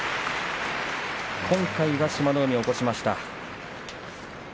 今回は志摩ノ海起こしました。